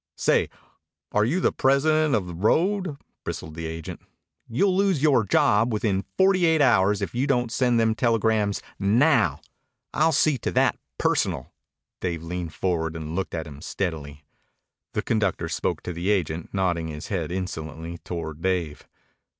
"Say, are you the president of the road?" bristled the agent. "You'll lose yore job within forty eight hours if you don't send them telegrams now. I'll see to that personal." Dave leaned forward and looked at him steadily. The conductor spoke to the agent, nodding his head insolently toward Dave.